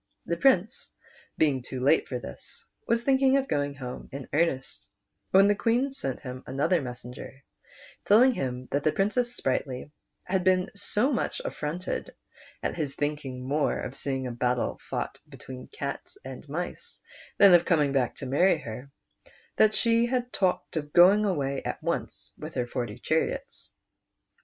The Prince being too late for this, was thinking of going home in earnest, when the Queen sent him another messenger, telling him that the Princess Sprightly had been so much affronted at his think ing more of seeing a battle fought between cats and mice than of coming back to marry her, that she had talked of going away at once with her forty chariots.